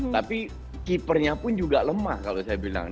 tapi keeper nya pun juga lemah kalau saya bilang